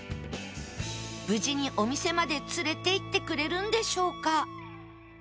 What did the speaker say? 無事にお店まで連れていってくれるんでしょうか？